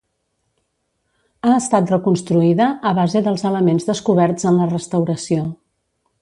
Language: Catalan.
Ha estat reconstruïda a base dels elements descoberts en la restauració.